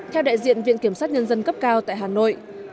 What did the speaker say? theo đại diện viện kiểm sát nhân dân cấp cao tại hà nội bà đán hình sự sơ thẩm